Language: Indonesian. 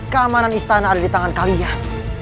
keamanan istana ada di tangan kalianah